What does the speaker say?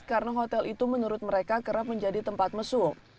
karena hotel itu menurut mereka kerap menjadi tempat mesum